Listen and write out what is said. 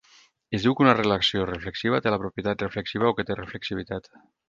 Es diu que una relació reflexiva té la propietat reflexiva o que té reflexivitat.